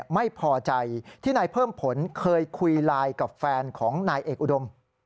ไม่พอใจที่นายเพิ่มผลเคยคุยไลน์กับแฟนของนายเอกอุดม